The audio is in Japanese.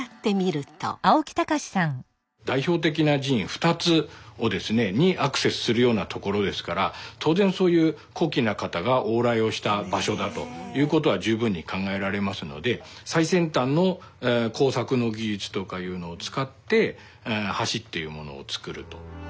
代表的な寺院２つにアクセスするような所ですから当然そういう高貴な方が往来をした場所だということは十分に考えられますので最先端の工作の技術とかいうのを使って橋っていうものを作ると。